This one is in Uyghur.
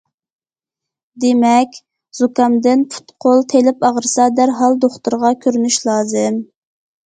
دېمەك، زۇكامدىن پۇت- قول تېلىپ ئاغرىسا دەرھال دوختۇرغا كۆرۈنۈش لازىم.